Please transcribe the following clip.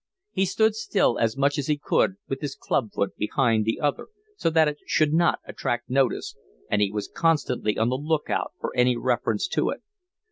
He stood still as much as he could, with his club foot behind the other, so that it should not attract notice, and he was constantly on the look out for any reference to it.